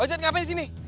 ojat ngapain di sini